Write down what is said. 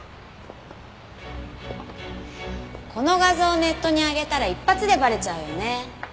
この画像ネットに上げたら一発でバレちゃうよね。